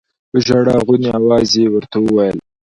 په ژړا غوني اواز يې ورته وويل.